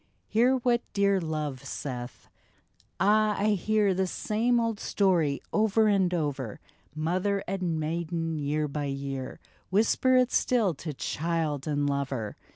Hear what dear Love saith :" Ah, I hear The same old story over and over ; OVER AND OVER 43 1 Mother and maiden year by year Whisper it still to child and lover